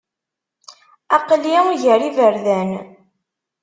Aqli gar iberdan.